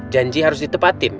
janji harus ditepatin kan jagoan